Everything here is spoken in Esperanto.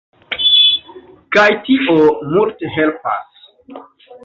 Kaj tio multe helpas.